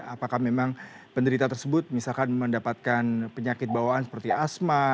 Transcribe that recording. apakah memang penderita tersebut misalkan mendapatkan penyakit bawaan seperti asma